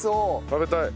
食べたい。